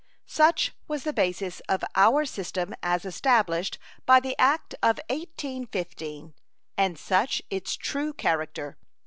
Such was the basis of our system as established by the act of 1815 and such its true character.